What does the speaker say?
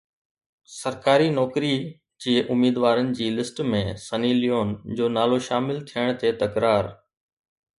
سرڪاري نوڪري جي اميدوارن جي لسٽ ۾ سني ليون جو نالو شامل ٿيڻ تي تڪرار